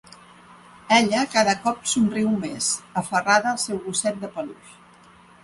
Ella cada cop somriu més, aferrada al seu gosset de peluix.